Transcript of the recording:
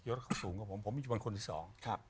ยศเข้าสูงกับผมผมไม่ใช่พันธุรกิจที่สองครับ